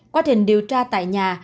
quá trình điều tra tại nhà